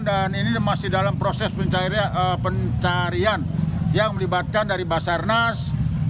dan ini masih dalam proses pencarian yang melibatkan dari basarnas